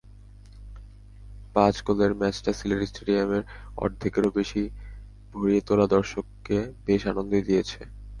পাঁচ গোলের ম্যাচটা সিলেট স্টেডিয়ামের অর্ধেকেরও বেশি ভরিয়ে তোলা দর্শককে বেশ আনন্দই দিয়েছে।